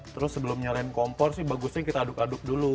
terus sebelum nyalain kompor sih bagusnya kita aduk aduk dulu